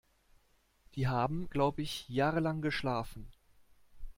Die haben, glaub ich, jahrelang geschlafen.